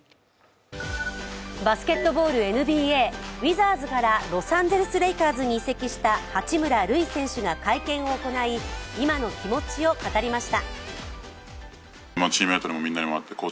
バスケットボール・ＮＢＡウィザーズからロサンゼルス・レイカーズに移籍した八村塁選手が会見を行い、今の気持ちを語りました。